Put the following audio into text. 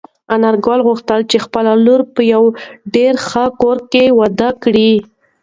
انارګل غوښتل چې خپله لور په یوه ډېر ښه کور کې واده کړي.